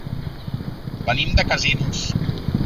Venim de Casinos.